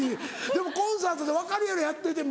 でもコンサートで分かるやろやってて。